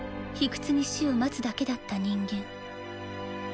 卑屈に死を待つだけだった人間